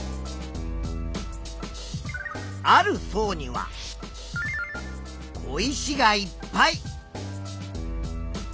ある層には小石がいっぱい。